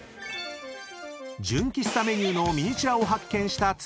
［純喫茶メニューのミニチュアを発見した剛］